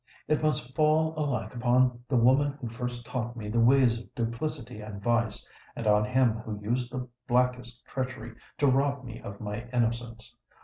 It must fall alike upon the woman who first taught me the ways of duplicity and vice, and on him who used the blackest treachery to rob me of my innocence.